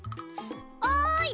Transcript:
おい！